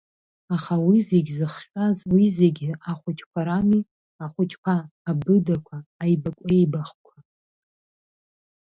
Аха уи зегь зыхҟьаз, уи зегьы, ахәыҷқәа рами, ахәыҷқәа, абыдақәа, аибакәеибақәа…